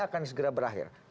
akan segera berakhir